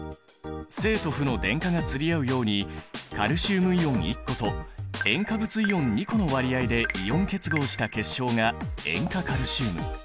正と負の電荷が釣り合うようにカルシウムイオン１個と塩化物イオン２個の割合でイオン結合した結晶が塩化カルシウム。